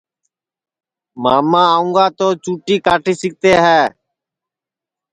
ماما آونگا تو چُوٹی کاٹی سِکتے ہے